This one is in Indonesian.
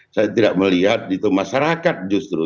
saya tidak melihat itu masyarakat justru